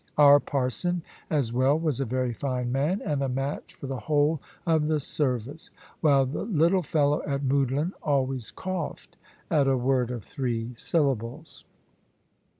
Our parson, as well, was a very fine man, and a match for the whole of the service; while the little fellow at Moudlin always coughed at a word of three syllables.